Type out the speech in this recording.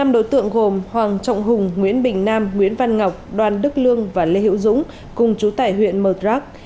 năm đối tượng gồm hoàng trọng hùng nguyễn bình nam nguyễn văn ngọc đoàn đức lương và lê hữu dũng cùng chú tải huyện mờ rắc